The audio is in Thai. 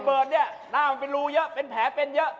เปิดเนี่ยหน้ามันเป็นรูเยอะเป็นแผลเป็นเยอะ